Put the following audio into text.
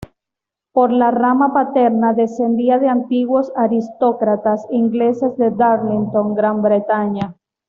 Por la rama paterna, descendía de antiguos aristócratas ingleses de Darlington, Gran Bretaña.